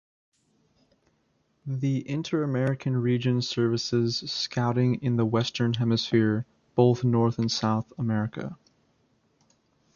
The Interamerican Region services Scouting in the Western Hemisphere, both North and South America.